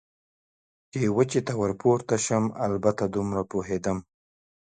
چې وچې ته ور پورته شم، البته دومره پوهېدم.